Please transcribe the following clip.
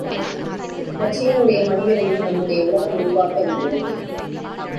இலட்சியம் உடைய மனிதரையே நம்முடைய உலகம் உருவாக்கவில்லையே!